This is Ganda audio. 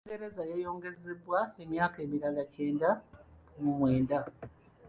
Bungereza yayongezebwa emyaka emirala kyenda mu mwenda.